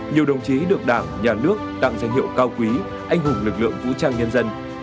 nhiều đồng chí được đảng nhà nước tặng danh hiệu cao quý anh hùng lực lượng vũ trang nhân dân